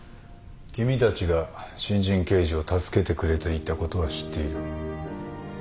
君たちが新人刑事を助けてくれていたことは知っている。